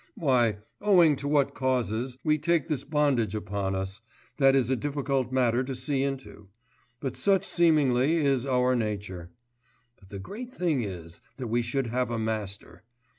Why, owing to what causes, we take this bondage upon us, that is a matter difficult to see into; but such seemingly is our nature. But the great thing is, that we should have a master.